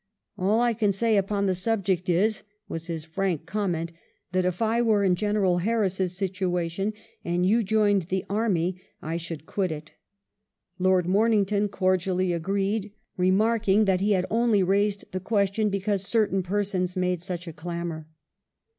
" All I can say upon the subject is," was his frank comment^ " that if I were in General Harris's situation and you joined the army, I should quit it." . Lord Momington cordially agreed, re II LABOURS IN CAMP 35 marking that he had only raised the question because certain persons made such a clamour.